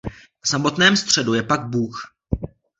V samotném středu je pak Bůh.